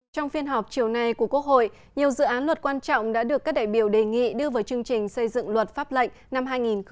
trong phiên họp chiều nay của quốc hội nhiều dự án luật quan trọng đã được các đại biểu đề nghị đưa vào chương trình xây dựng luật pháp lệnh năm hai nghìn một mươi chín